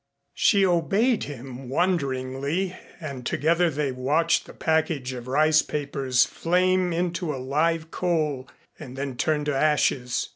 She obeyed him wonderingly and together they watched the package of rice papers flame into a live coal and then turn to ashes.